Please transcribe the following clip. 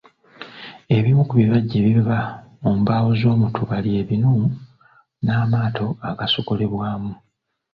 Ebimu ku bibajje ebiva mu mbaawo z'omutuba lye ebinu n'amaato agasogolebwamu.